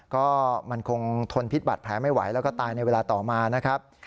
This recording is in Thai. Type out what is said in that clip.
ก็มันคงทนพิษบัตรแผลไม่ไหวแล้วก็ตายในเวลาต่อมานะครับ